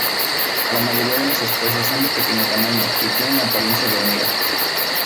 La mayoría de las especies son de pequeño tamaño y tienen apariencia de hormiga.